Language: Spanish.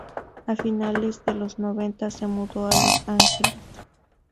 A finales de los noventa se mudó a Los Ángeles.